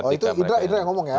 oh itu idra yang ngomong ya